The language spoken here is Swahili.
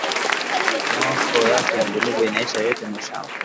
Myoko yake ngulube inaisha yote mu shamba